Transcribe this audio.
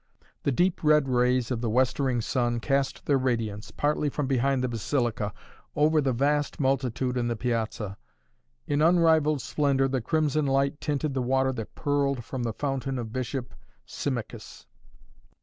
The deep red rays of the westering sun cast their radiance, partly from behind the Basilica, over the vast multitude in the piazza. In unrivalled splendor the crimson light tinted the water that purled from the fountain of Bishop Symmachus.